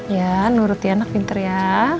ya nurut ya anak pinter ya